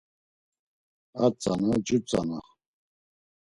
A tzana cu tzana.